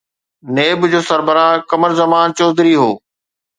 NAB جو سربراهه قمر زمان چوڌري هو.